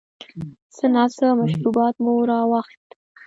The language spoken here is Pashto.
څه ناڅه مشروبات مو را واخیستل.